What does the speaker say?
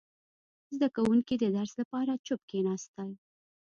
• زده کوونکي د درس لپاره چوپ کښېناستل.